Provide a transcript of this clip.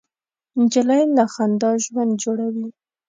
نجلۍ له خندا ژوند جوړوي.